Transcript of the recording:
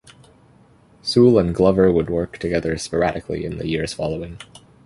Soule and Glover would work together sporadically in the years following.